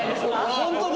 ・ホントだ！